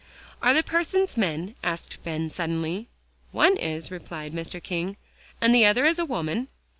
"Are the persons men?" asked Ben suddenly. "One is," replied Mr. King. "And the other is a woman?"